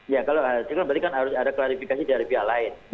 ya kalau ada hasil berarti kan ada klarifikasi dari pihak lain